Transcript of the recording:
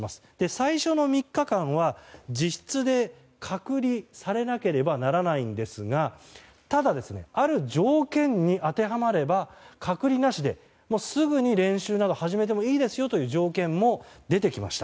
最初の３日間は自室で隔離されなければならないんですがただ、ある条件に当てはまれば隔離なしですぐに練習などを始めてもいいですよという条件も出てきました。